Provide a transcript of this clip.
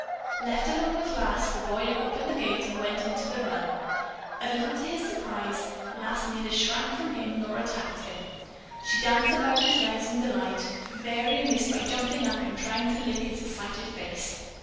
Left alone with Lass, the boy opened the gate and went into the run. A little to his surprise Lass neither shrank from him nor attacked him. She danced about his legs in delight, varying this by jumping up and trying to lick his excited face.